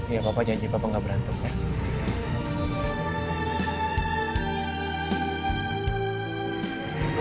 iya papa janji papa nggak berantem